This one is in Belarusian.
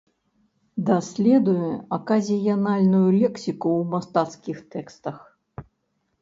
Даследуе аказіянальную лексіку ў мастацкіх тэкстах.